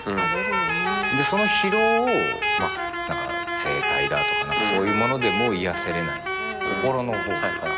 その疲労を整体だとかそういうものでも癒やせれない心の方というか。